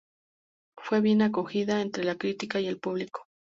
Fue bien acogida entre la crítica y el público.